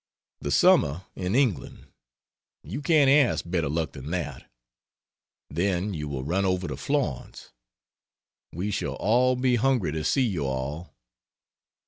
The summer in England! you can't ask better luck than that. Then you will run over to Florence; we shall all be hungry to see you all.